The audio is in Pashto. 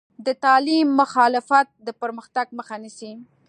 د تعلیم مخالفت د پرمختګ مخه نیسي.